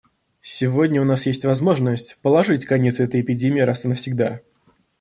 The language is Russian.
Сегодня у нас есть возможность положить конец этой эпидемии раз и навсегда.